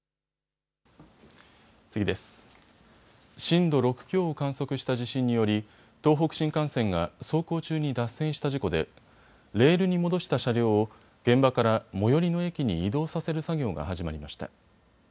震度６強を観測した地震により東北新幹線が走行中に脱線した事故でレールに戻した車両を現場から最寄りの駅に移動させる作業が始まりました。